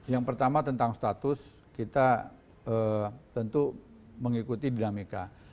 yang pertama tentang status kita tentu mengikuti dinamika